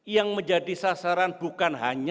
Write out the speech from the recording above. yang menjadi sasaran bukan hanya